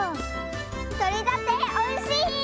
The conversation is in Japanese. とれたておいしい！